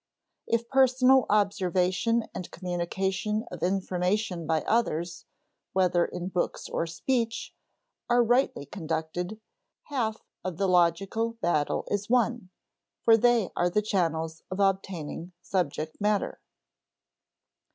If personal observation and communication of information by others (whether in books or speech) are rightly conducted, half the logical battle is won, for they are the channels of obtaining subject matter.